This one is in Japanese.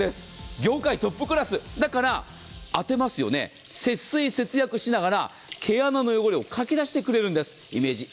業界トップクラスだから、当てますよね、節水、節約しながら毛穴の汚れをかき出してくれるんです。